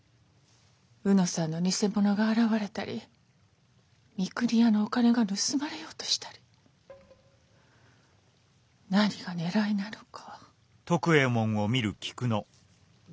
卯之さんの偽者が現れたり三国屋のお金が盗まれようとしたり何がねらいなのか。